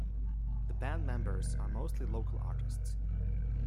The band members are mostly local artists.